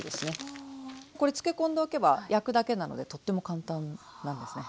これ漬け込んでおけば焼くだけなのでとっても簡単なんですね。